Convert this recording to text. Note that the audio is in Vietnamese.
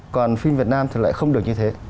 còn phim việt nam thì lại không được như thế